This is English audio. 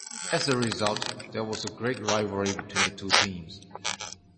As a result, there was a great rivalry between the two teams.